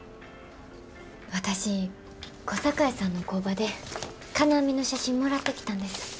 私小堺さんの工場で金網の写真もらってきたんです。